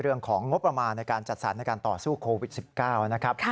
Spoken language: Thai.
เรื่องของงบประมาณในการจัดสรรในการต่อสู้โควิด๑๙นะครับ